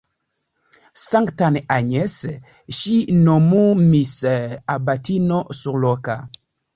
Sanktan Agnes ŝi nomumis abatino surloka.